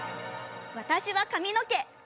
私は髪の毛！